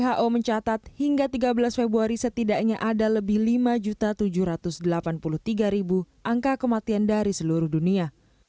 who mencatat hingga tiga belas februari setidaknya ada lebih lima tujuh ratus delapan puluh tiga angka kematian dari seluruh dunia